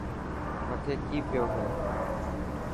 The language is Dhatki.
مٿي ڪي پيو هي.